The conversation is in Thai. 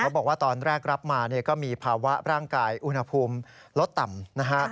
เขาบอกว่าตอนแรกรับมาก็มีภาวะร่างกายอุณหภูมิลดต่ำ